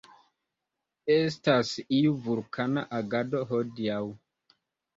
Estas iu vulkana agado hodiaŭ.